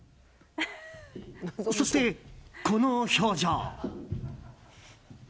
そして、この表情。